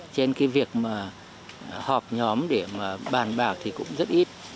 trên việc họp nhóm để bàn bảo thì cũng rất ít